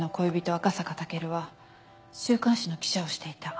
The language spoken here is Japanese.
赤坂武尊は週刊誌の記者をしていた。